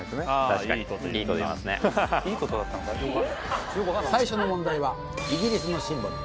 確かにいいこと言いますね最初の問題はイギリスのシンボル